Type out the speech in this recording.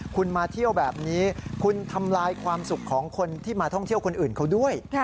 คุณมาเที่ยวแบบนี้คุณทำลายความสุขของคนที่มาท่องเที่ยวคนอื่นเขาด้วย